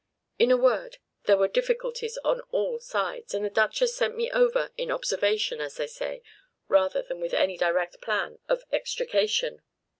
In a word, there were difficulties on all sides, and the Duchess sent me over, in observation, as they say, rather than with any direct plan of extrication."